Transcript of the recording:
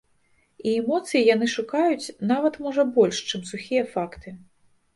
І эмоцыі яны шукаюць нават можа больш, чым сухія факты.